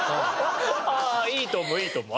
ああいいと思ういいと思う。